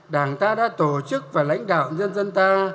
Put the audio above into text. đảng ta đã tổ chức và lãnh đạo nhân dân ta